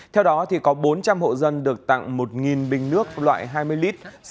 theo đó có bốn trăm linh hộ dân được tặng một bình nước loại hai mươi lít